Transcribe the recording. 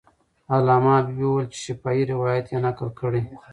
علامه حبیبي وویل چې شفاهي روایت یې نقل کړی.